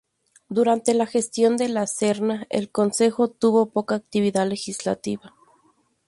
Durante la gestión de La Serna, el concejo tuvo poca actividad legislativa.